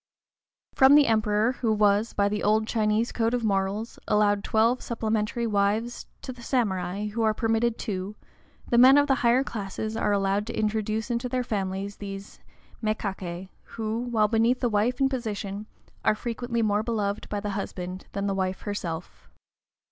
From the Emperor, who was, by the old Chinese code of morals, allowed twelve supplementary wives, to the samurai, who are permitted two, the men of the higher classes are allowed to introduce into their families these mékaké, who, while beneath the wife in position, are frequently more beloved by the husband than the wife herself.